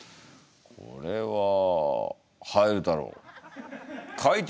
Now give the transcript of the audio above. これは入るだろう。